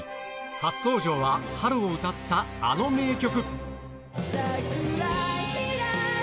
初登場は春を歌ったあの名曲。